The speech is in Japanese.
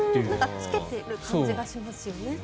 つけている感じがしますよね。